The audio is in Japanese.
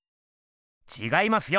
ちがいますよ！